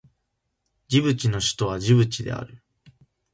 ジブチの首都はジブチである